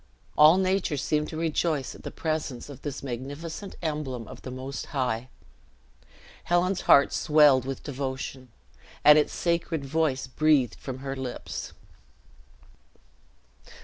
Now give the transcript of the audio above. All nature seemed to rejoice at the presence of this magnificent emblem of the Most High. Helen's heart swelled with devotion, and its sacred voice breathed from her lips.